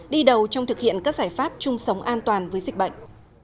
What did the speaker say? đi đầu trong thực hiện các giải pháp chung sống an toàn với dịch bệnh